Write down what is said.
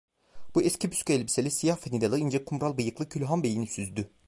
Bu eski püskü elbiseli, siyah fanilalı, ince kumral bıyıklı külhanbeyini süzdü.